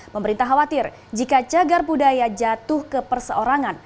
pemerintah khawatir jika cagar budaya jatuh ke perseorangan